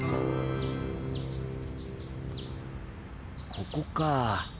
ここか。